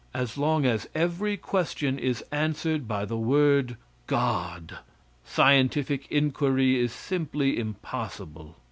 As long as every question is answered by the word "God," scientific inquiry is simply impossible.